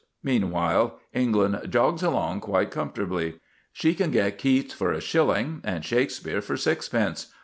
Meanwhile, England jogs along quite comfortably. She can get Keats for a shilling, and Shakespeare for sixpence.